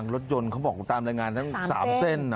รถยนต์เขาบอกตามรายงานทั้ง๓เส้น